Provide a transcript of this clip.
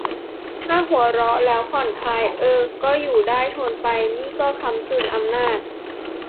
ถ้าหัวเราะแล้วผ่อนคลาย เอ้อ ก็อยู่ได้ ทนไป นี่ก็ค้ำจุนอำนาจ